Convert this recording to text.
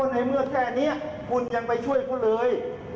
ในเมื่อแค่นี้คุณยังไปช่วยเขาเลย